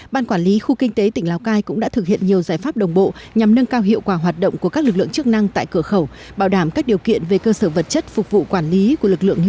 ban quản lý khu kinh tế tỉnh lào cai cũng đã thực hiện nhiều giải pháp đồng bộ nhằm nâng cao hiệu quả hoạt động của các lực lượng chức năng tại cửa khẩu